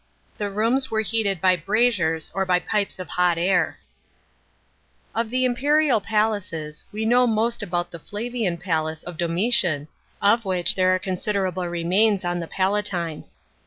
The rooms were heated by braziers or by pipes ol hot air. § 10. Of the imperial pnlaces, we know most about the Flavian pabce of Domitian, of which there are considerable remains on the Palatine.